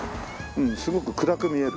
うんすごく暗く見える。